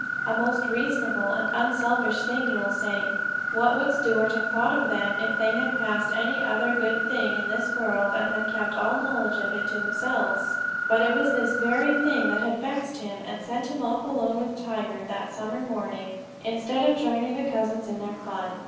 A most reasonable and unselfish thing, you will say. What would Stuart have thought of them if they had possessed any other good thing in this world, and had kept all knowledge of it to themselves! But it was this very thing that had vexed him, and sent him off alone with Tiger, that summer morning, instead of joining the cousins in their fun.